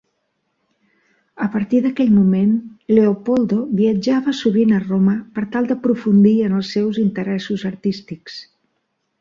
A partir d'aquell moment, Leopoldo viatjava sovint a Roma per tal d'aprofundir en els seus interessos artístics.